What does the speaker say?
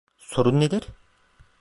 Sorun nedir?